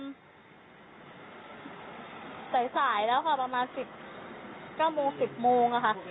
ตอนใส่สายแล้วค่ะประมาณ๑๙โมง๑๐โมงอะค่ะ